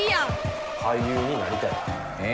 俳優になりたいねん。